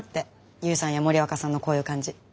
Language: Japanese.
勇さんや森若さんのこういう感じ。